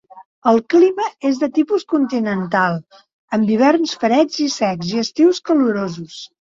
El clima és de tipus continental, amb hiverns freds i secs i estius calorosos.